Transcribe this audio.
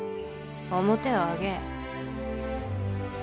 面を上げい。